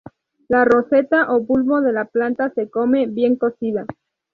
La roseta o bulbo de la planta se come, bien cocida.